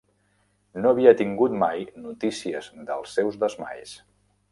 No havia tingut mai notícies dels seus desmais.